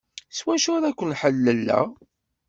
S wacu ara k-ḥelleleɣ?